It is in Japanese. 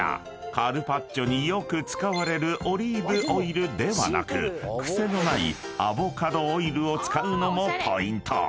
［カルパッチョによく使われるオリーブオイルではなく癖のないアボカドオイルを使うのもポイント］